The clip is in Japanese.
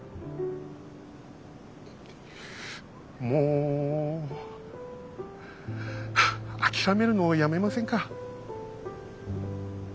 もう諦めるのをやめませんか。